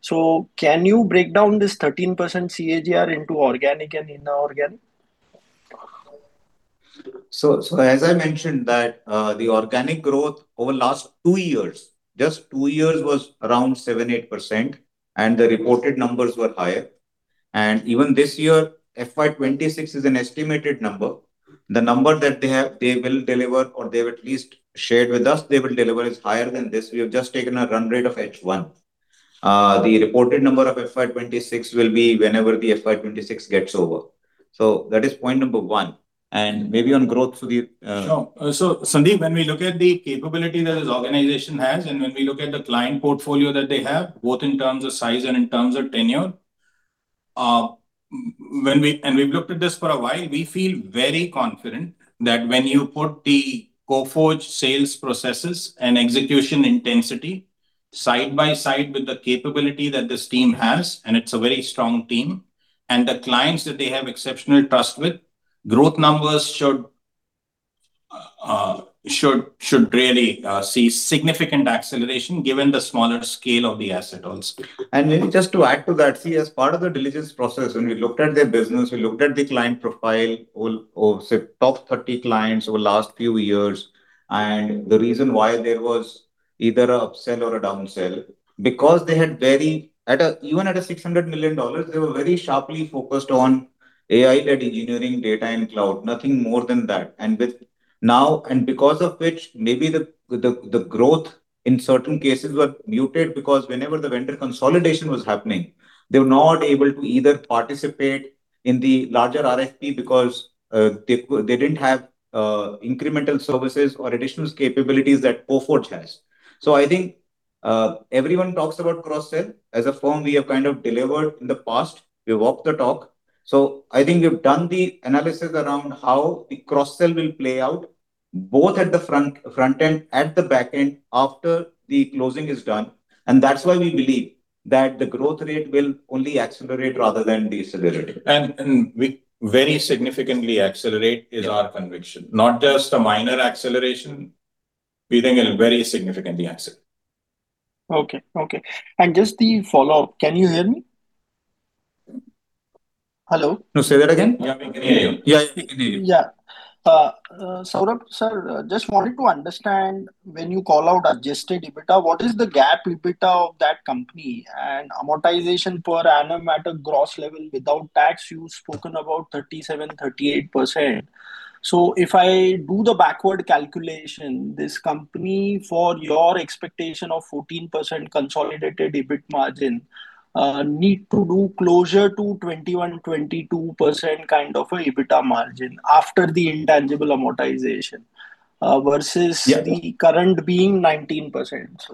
So can you break down this 13% CAGR into organic and inorganic? So as I mentioned that the organic growth over the last two years, just two years was around 7%, 8%, and the reported numbers were higher. And even this year, FY 2026 is an estimated number. The number that they will deliver or they will at least shared with us, they will deliver is higher than this. We have just taken a run rate of H1. The reported number of FY 2026 will be whenever the FY 2026 gets over. So that is point number one. And maybe on growth, Sudhir? Sure. So Sandeep, when we look at the capability that this organization has and when we look at the client portfolio that they have, both in terms of size and in terms of tenure, and we've looked at this for a while, we feel very confident that when you put the Coforge sales processes and execution intensity side by side with the capability that this team has, and it's a very strong team, and the clients that they have exceptional trust with, growth numbers should really see significant acceleration given the smaller scale of the asset also. And maybe just to add to that, see, as part of the diligence process, when we looked at their business, we looked at the client profile of top 30 clients over the last few years. And the reason why there was either an upsell or a downsell, because they had very even at $600 million, they were very sharply focused on AI-led engineering, data and cloud, nothing more than that. And because of which, maybe the growth in certain cases were muted because whenever the vendor consolidation was happening, they were not able to either participate in the larger RFP because they didn't have incremental services or additional capabilities that Coforge has. So I think everyone talks about cross-sell. As a firm, we have kind of delivered in the past. We walked the talk. So I think we've done the analysis around how the cross-sell will play out both at the front end, at the back end, after the closing is done. And that's why we believe that the growth rate will only accelerate rather than decelerate. And very significantly accelerate is our conviction. Not just a minor acceleration. We think it'll very significantly accelerate. Okay, okay, and just the follow-up, can you hear me? Hello? No, say that again. Yeah, we can hear you. Yeah, we can hear you. Yeah. Saurabh sir, just wanted to understand when you call out Adjusted EBITDA, what is the gap EBITDA of that company? And amortization per annum at a gross level without tax, you've spoken about 37%-38%. So if I do the backward calculation, this company for your expectation of 14% consolidated EBIT margin need to do close to 21%-22% kind of an EBITDA margin after the intangible amortization versus the current being 19%.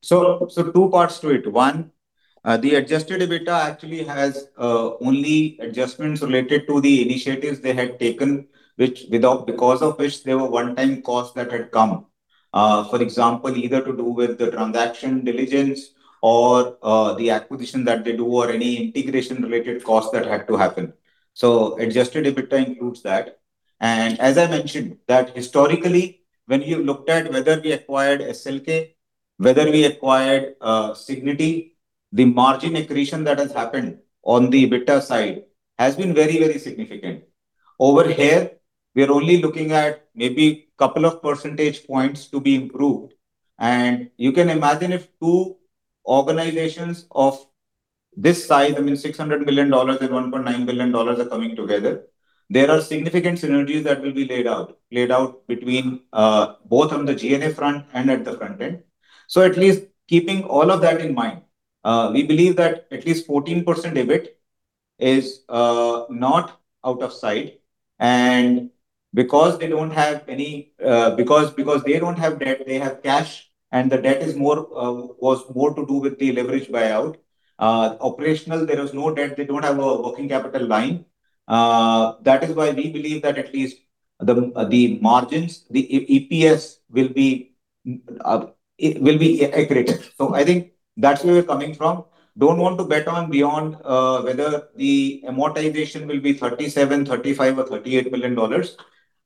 Two parts to it. One, the Adjusted EBITDA actually has only adjustments related to the initiatives they had taken, which because of which there were one-time costs that had come. For example, either to do with the transaction diligence or the acquisition that they do or any integration-related costs that had to happen. So Adjusted EBITDA includes that. And as I mentioned, that historically, when you looked at whether we acquired SLK, whether we acquired Cigniti, the margin accretion that has happened on the EBITDA side has been very, very significant. Over here, we're only looking at maybe a couple of percentage points to be improved. And you can imagine if two organizations of this size, I mean, $600 million and $1.9 billion are coming together, there are significant synergies that will be laid out between both on the G&A front and at the front end. So at least keeping all of that in mind, we believe that at least 14% EBIT is not out of sight. And because they don't have debt, they have cash, and the debt was more to do with the leverage buyout. Operational, there was no debt. They don't have a working capital line. That is why we believe that at least the margins, the EPS will be accurate. So I think that's where we're coming from. Don't want to bet on beyond whether the amortization will be $37 million, $35 million, or $38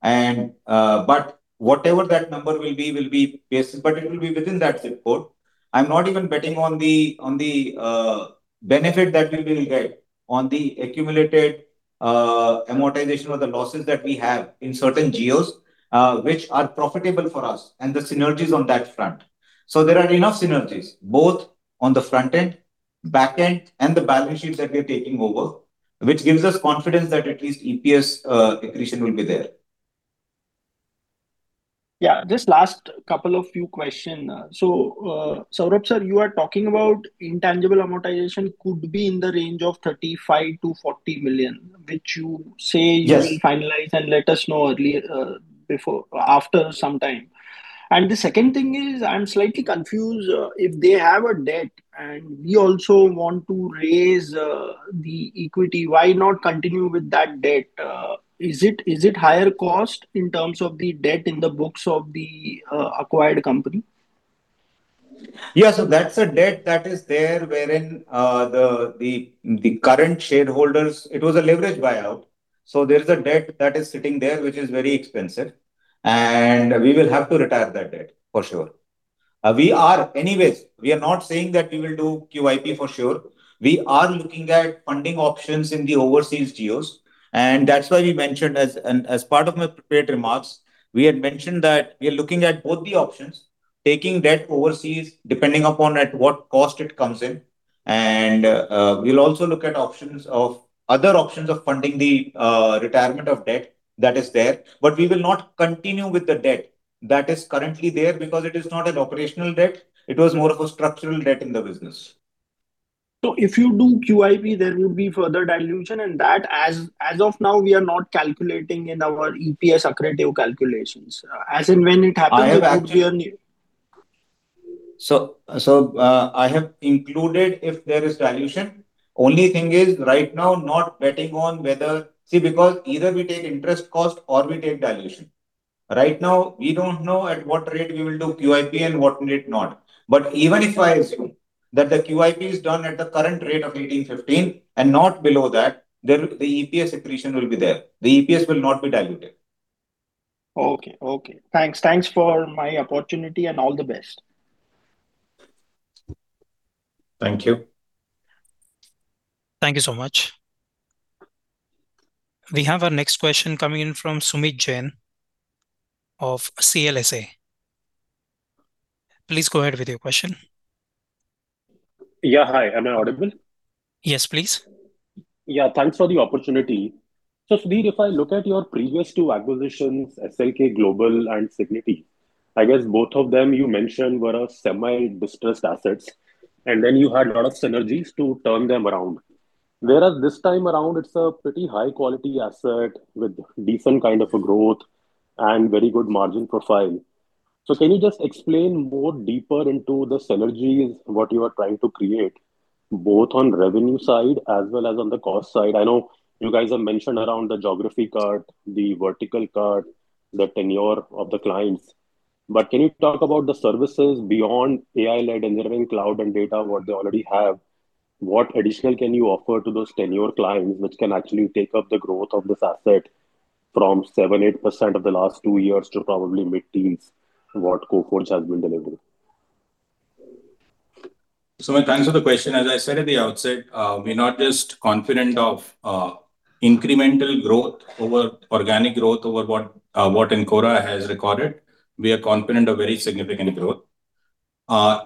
million. But whatever that number will be, will be basis, but it will be within that zip code. I'm not even betting on the benefit that we will get on the accumulated amortization or the losses that we have in certain GOs which are profitable for us and the synergies on that front. So there are enough synergies both on the front end, back end, and the balance sheet that we are taking over, which gives us confidence that at least EPS accretion will be there. Yeah. Just last couple of few questions. So Saurabh sir, you are talking about intangible amortization could be in the range of $35 million-$40 million, which you say you will finalize and let us know earlier after some time. And the second thing is I'm slightly confused. If they have a debt and we also want to raise the equity, why not continue with that debt? Is it higher cost in terms of the debt in the books of the acquired company? Yeah. So that's a debt that is there, wherein the current shareholders, it was a leveraged buyout. So there is a debt that is sitting there, which is very expensive and we will have to retire that debt for sure. Anyways, we are not saying that we will do QIP for sure. We are looking at funding options in the overseas geos and that's why we mentioned as part of my prepared remarks, we had mentioned that we are looking at both the options, taking debt overseas, depending upon at what cost it comes in and we'll also look at other options of funding the retirement of debt that is there, but we will not continue with the debt that is currently there because it is not an operational debt. It was more of a structural debt in the business. So if you do QIP, there would be further dilution, and that as of now, we are not calculating in our EPS accretive calculations. As in when it happens, we will know. I have included if there is dilution. Only thing is right now, not betting on whether we see, because either we take interest cost or we take dilution. Right now, we don't know at what rate we will do QIP and what rate not. But even if I assume that the QIP is done at the current rate of 18, 15 and not below that, the EPS accretion will be there. The EPS will not be diluted. Okay, okay. Thanks. Thanks for my opportunity and all the best. Thank you. Thank you so much. We have our next question coming in from Sumeet Jain of CLSA. Please go ahead with your question. Yeah. Hi. Am I audible? Yes, please. Yeah. Thanks for the opportunity. So Sudhir, if I look at your previous two acquisitions, SLK Global and Cigniti, I guess both of them you mentioned were semi-distressed assets. And then you had a lot of synergies to turn them around. Whereas this time around, it's a pretty high-quality asset with decent kind of a growth and very good margin profile. So can you just explain more deeper into the synergies, what you are trying to create, both on revenue side as well as on the cost side? I know you guys have mentioned around the geography cut, the vertical cut, the tenure of the clients. But can you talk about the services beyond AI-led engineering, cloud, and data, what they already have? What additional can you offer to those tenured clients which can actually take up the growth of this asset from 7%, 8% of the last two years to probably mid-teens what Coforge has been delivering? So my thanks for the question. As I said at the outset, we're not just confident of incremental growth over organic growth over what Encora has recorded. We are confident of very significant growth.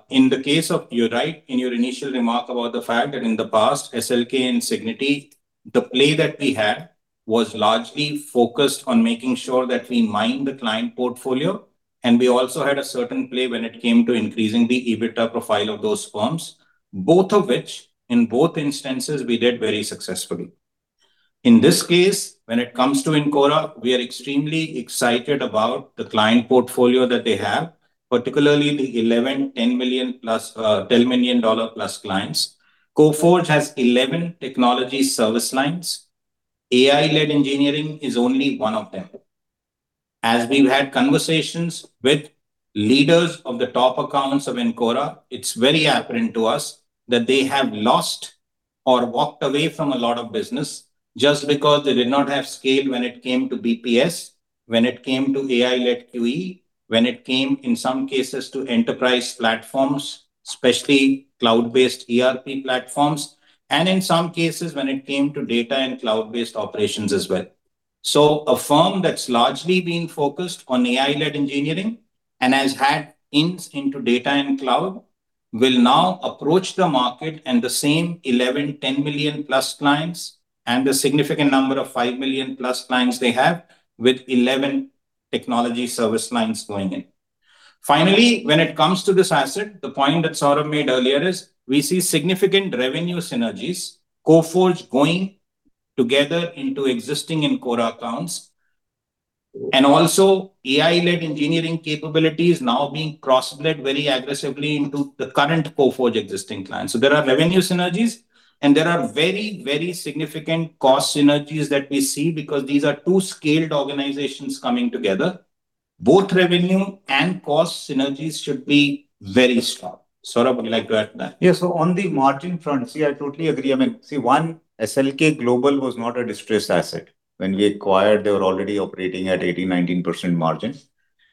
In the case of you're right in your initial remark about the fact that in the past, SLK and Cigniti, the play that we had was largely focused on making sure that we mine the client portfolio. And we also had a certain play when it came to increasing the EBITDA profile of those firms, both of which in both instances, we did very successfully. In this case, when it comes to Encora, we are extremely excited about the client portfolio that they have, particularly the 11 $10 million-plus clients. Coforge has 11 technology service lines. AI-led engineering is only one of them. As we've had conversations with leaders of the top accounts of Encora, it's very apparent to us that they have lost or walked away from a lot of business just because they did not have scale when it came to BPS, when it came to AI-led QE, when it came in some cases to enterprise platforms, especially cloud-based ERP platforms, and in some cases when it came to data and cloud-based operations as well, so a firm that's largely been focused on AI-led engineering and has had inroads into data and cloud will now approach the market and the same 11, 10 million-plus clients and the significant number of 5 million-plus clients they have with 11 technology service lines going in. Finally, when it comes to this asset, the point that Saurabh made earlier is we see significant revenue synergies, Coforge going together into existing Encora accounts, and also AI-led engineering capabilities now being cross-sold very aggressively into the current Coforge existing clients, so there are revenue synergies, and there are very, very significant cost synergies that we see because these are two scaled organizations coming together. Both revenue and cost synergies should be very strong. Saurabh, would you like to add to that? Yeah, so on the margin front, see, I totally agree. I mean, see, one, SLK Global was not a distressed asset. When we acquired, they were already operating at 18%-19% margin.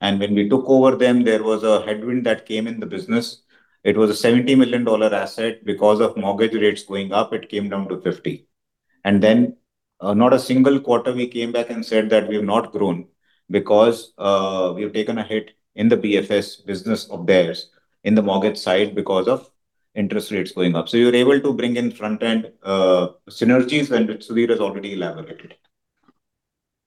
And when we took over them, there was a headwind that came in the business. It was a $70 million asset. Because of mortgage rates going up, it came down to 50. And then, not a single quarter, we came back and said that we have not grown because we have taken a hit in the BFS business of theirs in the mortgage side because of interest rates going up. So you're able to bring in front-end synergies when Sudhir has already elaborated.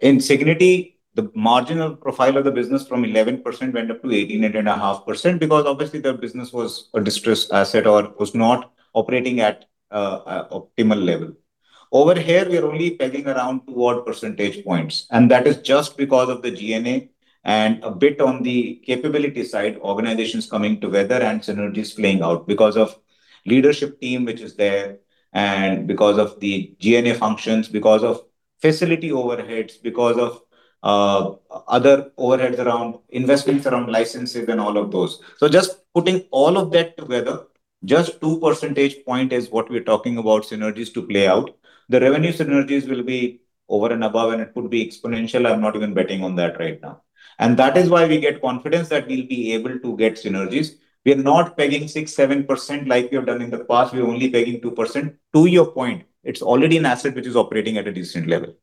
In Cigniti, the margin profile of the business from 11% went up to 18.5% because obviously their business was a distressed asset or was not operating at optimal level. Over here, we are only pegging around two percentage points. And that is just because of the G&A and a bit on the capability side, organizations coming together and synergies playing out because of leadership team which is there and because of the G&A functions, because of facility overheads, because of other overheads around investments around licenses and all of those. Just putting all of that together, just two percentage points is what we're talking about for synergies to play out. The revenue synergies will be over and above, and it could be exponential. I'm not even betting on that right now. And that is why we get confidence that we'll be able to get synergies. We are not pegging 6%, 7% like we have done in the past. We are only pegging 2%. To your point, it's already an asset which is operating at a decent level.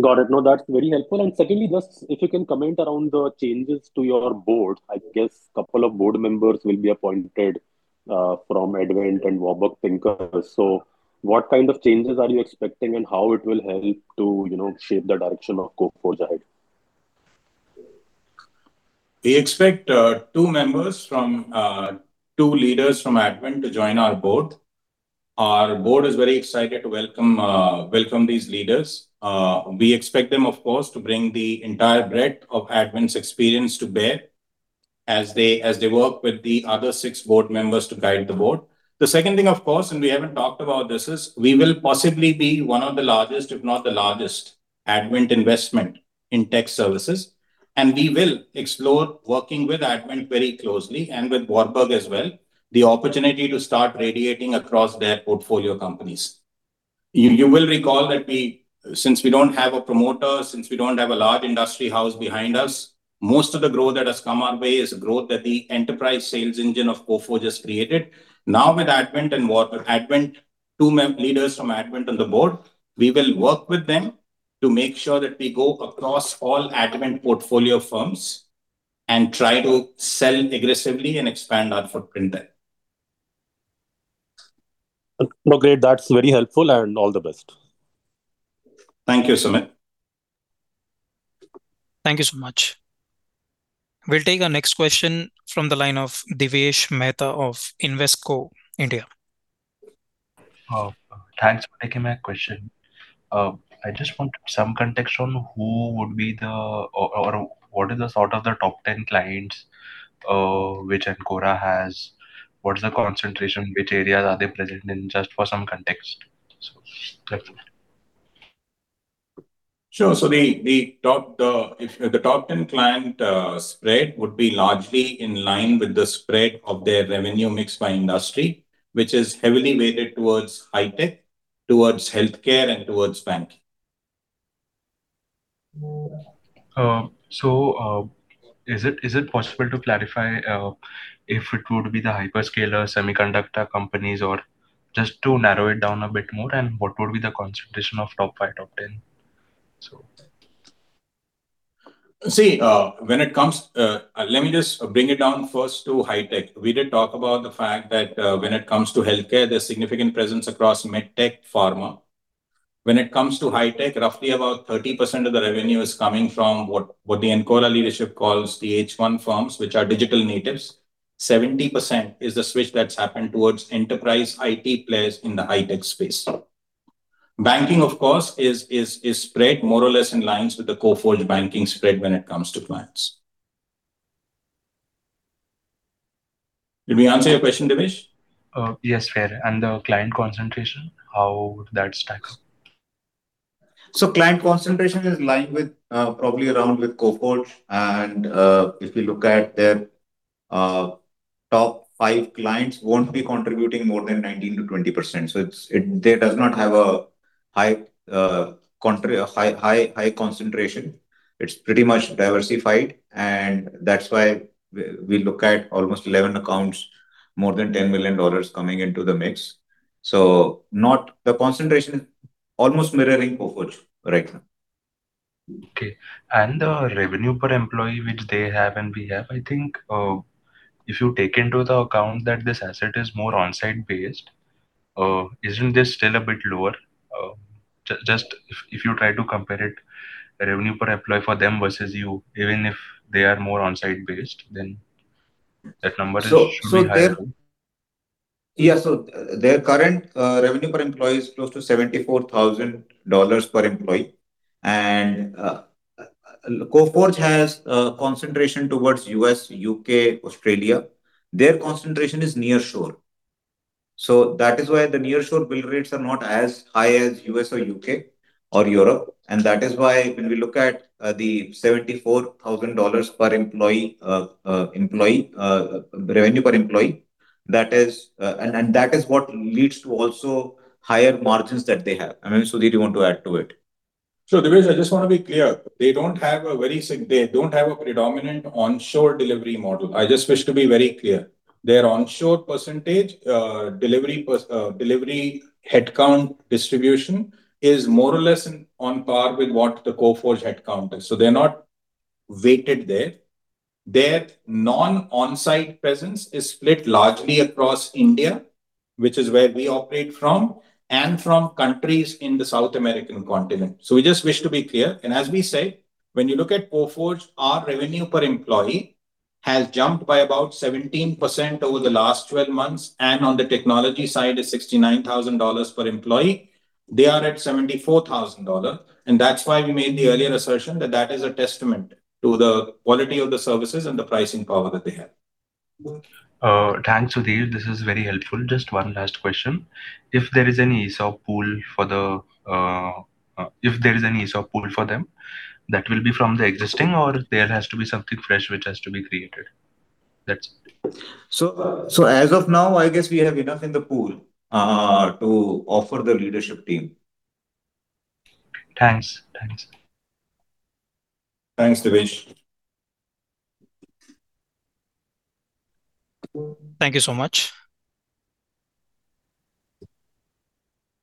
Got it. No, that's very helpful. And secondly, just if you can comment around the changes to your Board, I guess a couple of Board members will be appointed from Advent and Warburg Pincus. So what kind of changes are you expecting and how it will help to shape the direction of Coforge ahead? We expect two members from two leaders from Advent to join our Board. Our Board is very excited to welcome these leaders. We expect them, of course, to bring the entire breadth of Advent's experience to bear as they work with the other six Board members to guide the Board. The second thing, of course, and we haven't talked about this, is we will possibly be one of the largest, if not the largest, Advent investment in tech services, and we will explore working with Advent very closely and with Warburg as well, the opportunity to start radiating across their portfolio companies. You will recall that since we don't have a promoter, since we don't have a large industry house behind us, most of the growth that has come our way is growth that the enterprise sales engine of Coforge has created. Now with Advent and Warburg, Advent, two leaders from Advent on the Board, we will work with them to make sure that we go across all Advent portfolio firms and try to sell aggressively and expand our footprint there. Okay, that's very helpful and all the best. Thank you, Sumeet. Thank you so much. We'll take our next question from the line of Divyesh Mehta of Invesco India. Thanks for taking my question. I just want some context on who would be the or what is the sort of the top 10 clients which Encora has? What's the concentration? Which areas are they present in? Just for some context. Sure. So the top 10 client spread would be largely in line with the spread of their revenue mix by industry, which is heavily weighted towards high tech, towards healthcare, and towards banking. Is it possible to clarify if it would be the hyperscaler, semiconductor companies, or just to narrow it down a bit more, and what would be the concentration of top five, top 10? See, when it comes, let me just bring it down first to high tech. We did talk about the fact that when it comes to healthcare, there's significant presence across med tech, pharma. When it comes to high tech, roughly about 30% of the revenue is coming from what the Encora leadership calls the H1 firms, which are digital natives. 70% is the switch that's happened towards enterprise IT players in the high tech space. Banking, of course, is spread more or less in lines with the Coforge banking spread when it comes to clients. Did we answer your question, Divyesh? Yes, fair, and the client concentration, how would that stack up? So client concentration is aligned with probably around with Coforge. And if you look at their top five clients, won't be contributing more than 19%-20%. So it does not have a high concentration. It's pretty much diversified. And that's why we look at almost 11 accounts, more than $10 million coming into the mix. So the concentration is almost mirroring Coforge right now. Okay. And the revenue per employee which they have and we have, I think if you take into account that this asset is more on-site based, isn't this still a bit lower? Just if you try to compare it, revenue per employee for them versus you, even if they are more on-site based, then that number should be higher. Yeah. So their current revenue per employee is close to $74,000 per employee. And Coforge has a concentration towards U.S., U.K., Australia. Their concentration is nearshore. So that is why the nearshore bill rates are not as high as U.S. or U.K. or Europe. And that is why when we look at the $74,000 per employee revenue per employee, that is and that is what leads to also higher margins that they have. I mean, Sudhir, you want to add to it? Sure. Divyesh, I just want to be clear. They don't have a predominant onshore delivery model. I just wish to be very clear. Their onshore percentage delivery headcount distribution is more or less on par with what the Coforge headcount is. So they're not weighted there. Their non-onsite presence is split largely across India, which is where we operate from, and from countries in the South American continent. So we just wish to be clear. And as we said, when you look at Coforge, our revenue per employee has jumped by about 17% over the last 12 months. And on the technology side, it's $69,000 per employee. They are at $74,000. And that's why we made the earlier assertion that that is a testament to the quality of the services and the pricing power that they have. Thanks, Sudhir. This is very helpful. Just one last question. If there is any ESOP pool for them, that will be from the existing, or there has to be something fresh which has to be created? That's it. So as of now, I guess we have enough in the pool to offer the leadership team. Thanks. Thanks. Thanks, Divyesh. Thank you so much.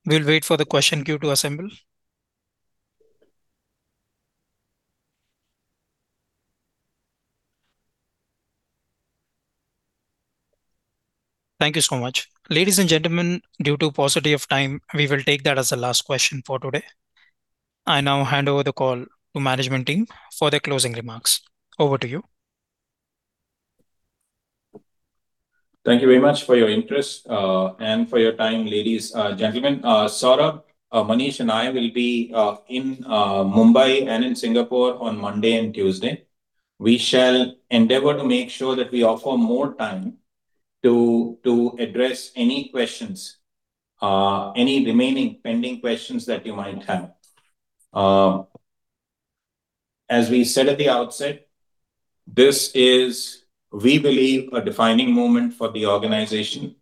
We'll wait for the question queue to assemble. Thank you so much. Ladies and gentlemen, due to paucity of time, we will take that as the last question for today. I now hand over the call to management team for their closing remarks. Over to you. Thank you very much for your interest and for your time, ladies and gentlemen. Saurabh, Manish, and I will be in Mumbai and in Singapore on Monday and Tuesday. We shall endeavor to make sure that we offer more time to address any questions, any remaining pending questions that you might have. As we said at the outset, this is, we believe, a defining moment for the organization.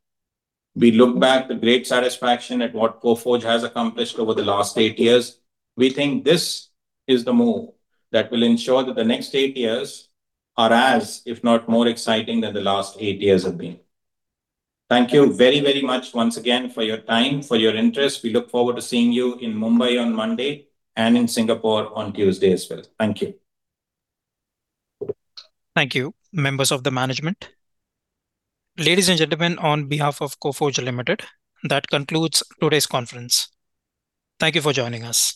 We look back with great satisfaction at what Coforge has accomplished over the last eight years. We think this is the move that will ensure that the next eight years are as, if not more exciting than the last eight years have been. Thank you very, very much once again for your time, for your interest. We look forward to seeing you in Mumbai on Monday and in Singapore on Tuesday as well. Thank you. Thank you, members of the management. Ladies and gentlemen, on behalf of Coforge Limited, that concludes today's conference. Thank you for joining us.